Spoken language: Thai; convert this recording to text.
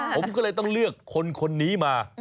ผมก็เลยต้องเลือกคนนี้มา